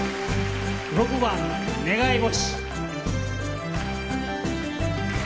６番「願い星」。